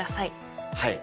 はい。